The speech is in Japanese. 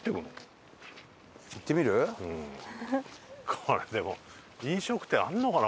これでも飲食店あるのかな？